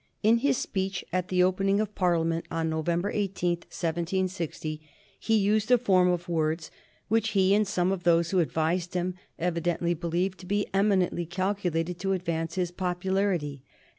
In his speech at the opening of Parliament on November 18, 1760, he used a form of words which he, and some of those who advised him, evidently believed to be eminently calculated to advance his popularity.